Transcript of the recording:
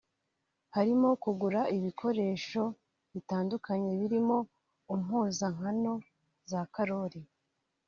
harimo kugura ibikoresho bitandukanye birimo umpuzankano za korali